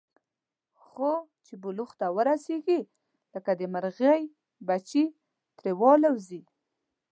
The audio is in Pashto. خو چې بلوغ ته ورسېږي، لکه د مرغۍ بچي ترې والوځي.